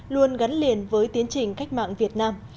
luôn gắn liền với tiến trình cách mạng việt nam